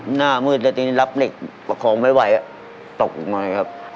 หน้ามืดแล้วทีนี้รับเหล็กประคองไม่ไหวตกลงมาเลยครับ